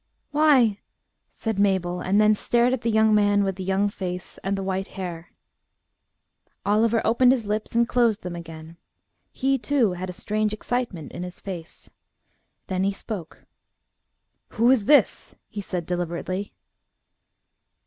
"Why," said Mabel; and then stared at the man with the young face and the white hair. Oliver opened his lips and closed them again. He, too, had a strange excitement in his face. Then he spoke. "Who is this?" he said deliberately.